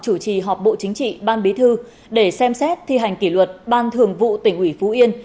chủ trì họp bộ chính trị ban bí thư để xem xét thi hành kỷ luật ban thường vụ tỉnh ủy phú yên